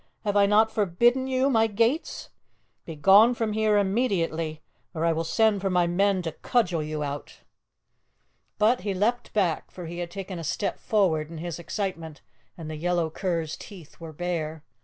Have I not forbidden you my gates? Begone from here immediately, or I will send for my men to cudgel you out!" But he leaped back, for he had taken a step forward in his excitement, and the yellow cur's teeth were bare.